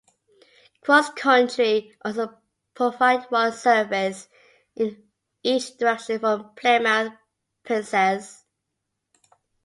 CrossCountry also provide one service in each direction from Plymouth-Penzance.